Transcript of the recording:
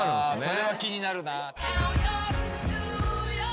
それは気になるな。